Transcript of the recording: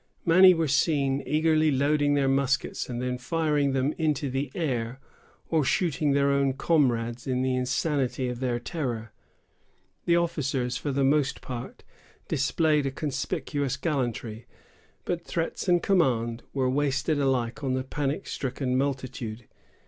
Many were seen eagerly loading their muskets, and then firing them into the air, or shooting their own comrades in the insanity of their terror. The officers, for the most part, displayed a conspicuous gallantry; but threats and commands were wasted alike on the panic stricken multitude.